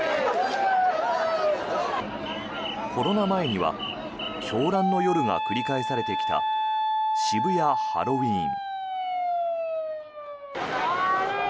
コロナ前には狂乱の夜が繰り返されてきた渋谷ハロウィーン。